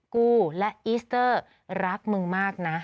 กูและอีสเตอร์รักมึงมากนะ